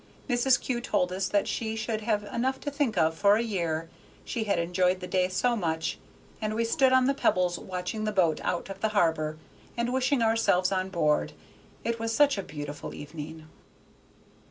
Mrs. Kew told us that she should have enough to think of for a year, she had enjoyed the day so much; and we stood on the pebbles watching the boat out of the harbor, and wishing ourselves on board, it was such a beautiful evening.